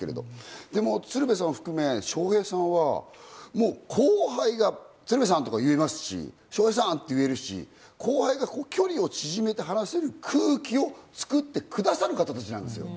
でも鶴瓶さんを含め笑瓶さんは、後輩が、鶴瓶さん、笑瓶さんって言えますし、後輩が距離を縮めて話せる空気を作ってくださる方たちなんですよ。